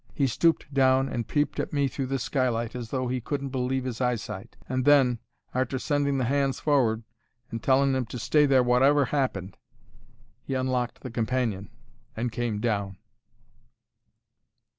He stooped down and peeped at me through the skylight as though he couldn't believe 'is eyesight, and then, arter sending the hands for'ard and telling 'em to stay there, wotever 'appened, he unlocked the companion and came down."